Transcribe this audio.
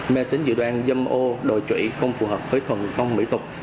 mê tính dị đoan dâm ô đùi trị không phù hợp với thường phong bị tục